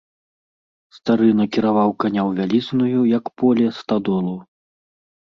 Стары накіраваў каня ў вялізную, як поле, стадолу.